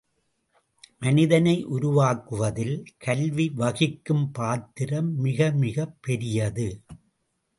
மனிதனை உருவாக்குவதில் கல்வி வகிக்கும் பாத்திரம் மிகமிகப் பெரியது.